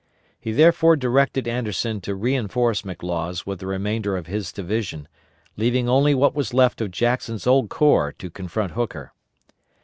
He therefore directed Anderson to reinforce McLaws with the remainder of his division, leaving only what was left of Jackson's old corps to confront Hooker.